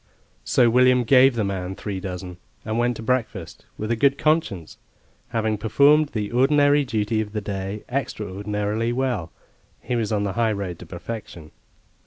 So William gave the man three dozen and went to breakfast with a good conscience; having performed the ordinary duty of the day extraordinarily well, he was on the high road to perfection.